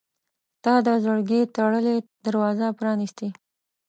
• ته د زړګي تړلې دروازه پرانستې.